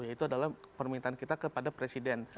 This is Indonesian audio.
yaitu adalah permintaan kita kepada presiden